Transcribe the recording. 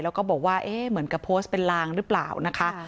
แล้วก็บอกว่าเอ๊ะเหมือนกับโพสต์เป็นลางหรือเปล่านะคะ